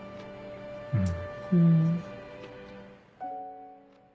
うん。